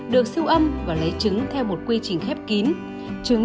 được siêu âm và lấy trứng theo một quy trình khép kín